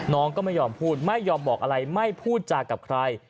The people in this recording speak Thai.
น้องก็ไม่ยอมพูดไม่ยอมบอกอะไรไม่พูดจากับใคร